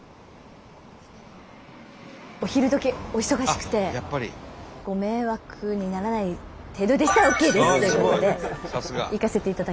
お昼時お忙しくてご迷惑にならない程度でしたらＯＫですということで行かせていただきますので。